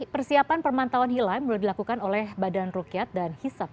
persiapan pemantauan hilal melalui badan rukyat dan hisap